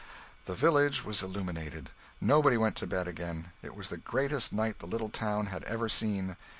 The village was illuminated; nobody went to bed again; it was the greatest night the little town had ever seen.